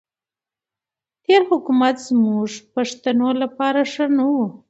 تېر حکومت زموږ پښتنو لپاره ښه نه وو.